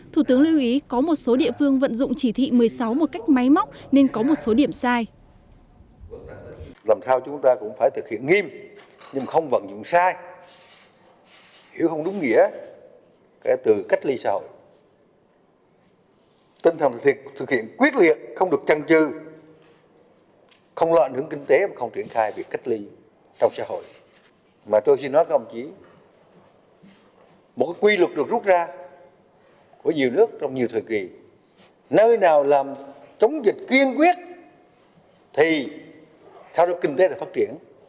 thủ tướng lưu ý có một số địa phương vận dụng trí thị một mươi sáu một cách máy móc nên có một số điểm sai